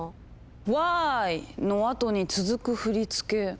「ワーイ！」のあとに続く振り付け。